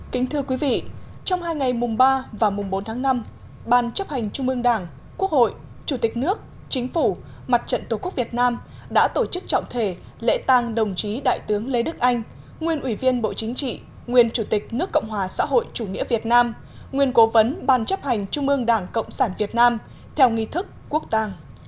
kính thưa quý vị trong hai ngày mùng ba và mùng bốn tháng năm ban chấp hành trung mương đảng quốc hội chủ tịch nước chính phủ mặt trận tổ quốc việt nam đã tổ chức trọng thể lễ tang đồng chí đại tướng lê đức anh nguyên ủy viên bộ chính trị nguyên chủ tịch nước cộng hòa xã hội chủ nghĩa việt nam nguyên cố vấn ban chấp hành trung mương đảng cộng sản việt nam theo nghi thức quốc tang